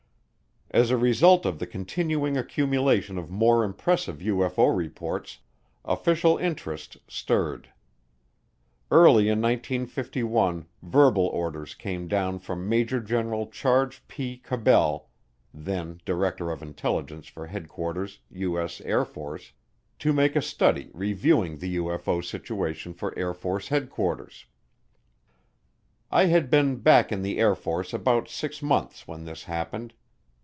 As a result of the continuing accumulation of more impressive UFO reports, official interest stirred. Early in 1951 verbal orders came down from Major General Charles P. Cabell, then Director of Intelligence for Headquarters, U.S. Air Force, to make a study reviewing the UFO situation for Air Force Headquarters. I had been back in the Air Force about six months when this happened.